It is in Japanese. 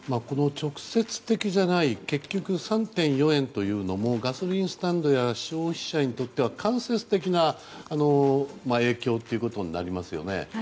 この直接的じゃない結局、３．４円というのもガソリンスタンドや消費者にとっては間接的な影響ということになりますよね。